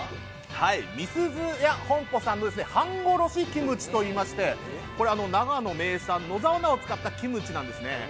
美寿々屋本舗さんのはんごろしキムチといいまして、長野名産野沢菜を使ったキムチなんですね。